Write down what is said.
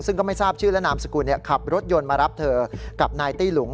ซึ่งก็ไม่ทราบชื่อและนามสกุลขับรถยนต์มารับเธอกับนายตี้หลุง